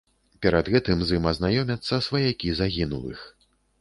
Перад гэтым з ім азнаёмяцца сваякі загінулых.